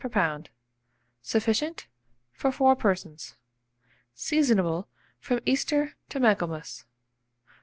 per lb. Sufficient for 4 persons. Seasonable from Easter to Michaelmas.